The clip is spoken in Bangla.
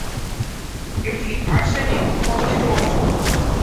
এটি আর্সেনিক-কবলিত অঞ্চল।